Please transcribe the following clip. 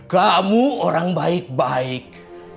kamu orang baik baik